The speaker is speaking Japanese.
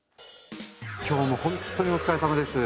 今日もほんっとにお疲れさまです。